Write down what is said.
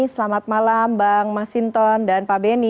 selamat malam bang masinton dan pak beni